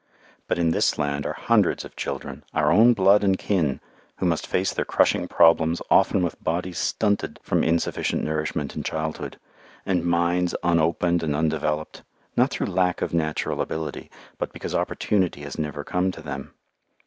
But in this land are hundreds of children, our own blood and kin, who must face their crushing problems often with bodies stunted from insufficient nourishment in childhood, and minds unopened and undeveloped, not through lack of natural ability, but because opportunity has never come to them.